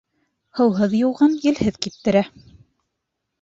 Һыуһыҙ йыуған елһеҙ киптерә.